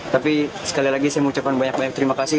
tapi sekali lagi saya mengucapkan banyak banyak terima kasih